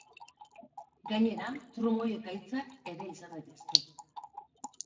Gainera, trumoi-ekaitzak ere izan daitezke.